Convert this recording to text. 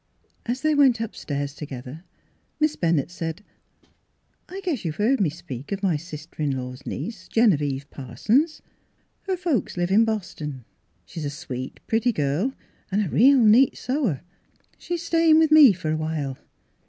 As they went upstairs together Miss Bennett said, " I guess you've heard me speak of my sister in law's niece, Genevieve Parsons? Her folks live in Boston ; she's a sweet, pretty girl, and a real neat sewer. She's stayin' with me for awhile."